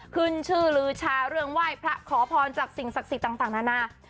ขึ้นชื่อลือชาเรื่องไหว้พระขอพรจากสิ่งศักดิ์สิทธิ์ต่างนานา